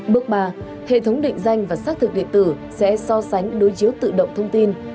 bước ba hệ thống định danh và xác thực địa tử sẽ so sánh đối chiếu tự động thông tin